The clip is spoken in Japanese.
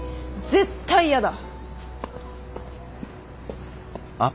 絶対やだ。